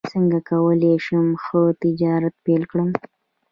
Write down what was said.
څنګه کولی شم ښه تجارت پیل کړم